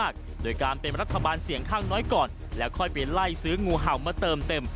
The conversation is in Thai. การเปลี่ยนไล่ซื้องูเห่ามาเติมเต็ม